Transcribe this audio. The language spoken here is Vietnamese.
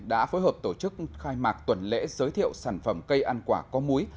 đã phối hợp tổ chức khai mạc tuần lễ giới thiệu sản phẩm cây ăn quả có múi